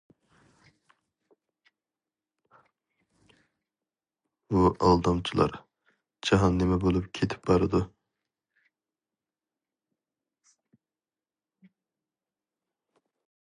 ۋۇ ئالدامچىلار، ، جاھان نېمە بولۇپ كېتىپ بارىدۇ.